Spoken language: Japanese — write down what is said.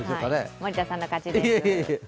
森田さんの勝ちです。